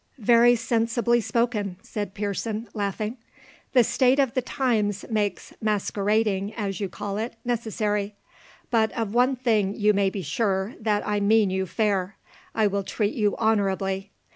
"Very sensibly spoken," said Pearson, laughing. "The state of the times makes `masquerading,' as you call it, necessary; but of one thing you may be sure, that I mean you fair; I will treat you honourably.